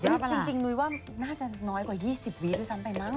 จริงนุ้ยว่าน่าจะน้อยกว่า๒๐วิด้วยซ้ำไปมั้ง